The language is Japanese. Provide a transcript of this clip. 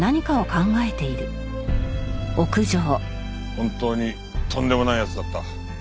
本当にとんでもない奴だった。